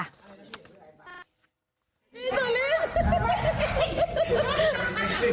พี่สุลิน